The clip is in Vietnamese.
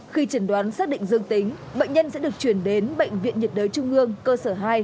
khi trần đoán xác định dương tính bệnh nhân sẽ được chuyển đến bệnh viện nhiệt đới trung ương cơ sở hai